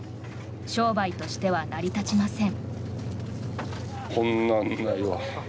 商売としては成り立ちません。